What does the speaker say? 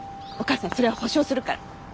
お母さんそれは保証するから。